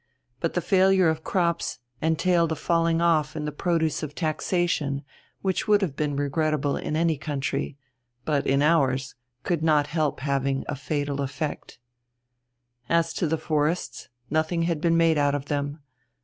But the failure of crops entailed a falling off in the produce of taxation which would have been regrettable in any country, but in ours could not help having a fatal effect. As to the forests, nothing had been made out of them.